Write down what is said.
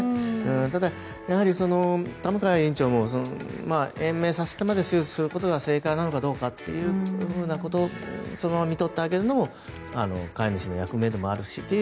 ただ、やはり田向院長も延命させてまで手術することが正解なのかどうかっていうことそのまま看取ってあげるのも飼い主の役目でもあるしという。